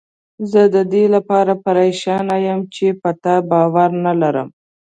زه ددې لپاره پریشان یم چې په تا باور نه لرم.